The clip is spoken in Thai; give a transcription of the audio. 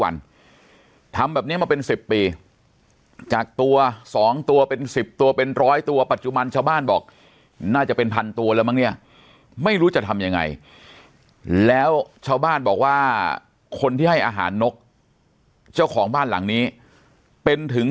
น่าจะเป็นพันตัวแล้วมั้งเนี้ยไม่รู้จะทำยังไงแล้วชาวบ้านบอกว่าคนที่ให้อาหารนกเจ้าของบ้านหลังนี้เป็นถึง